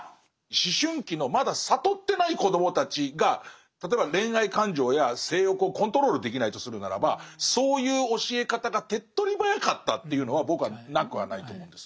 思春期のまだ覚ってない子どもたちが例えば恋愛感情や性欲をコントロールできないとするならばそういう教え方が手っとり早かったというのは僕はなくはないと思うんです。